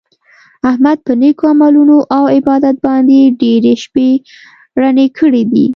احمد په نېکو عملونو او عبادت باندې ډېرې شپې رڼې کړي دي.